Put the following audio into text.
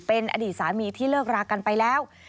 เป็นอดีตสามีที่เลิกรากันไปแล้ว